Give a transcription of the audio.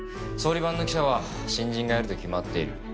総理番の記者は新人がやると決まっている。